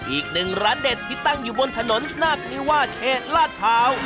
อีกหนึ่งร้านเด็ดที่ตั้งอยู่บนถนนนาคลีว่าเขตลาดพร้าว